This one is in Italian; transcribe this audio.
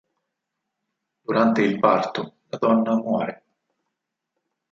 Durante il parto, la donna muore.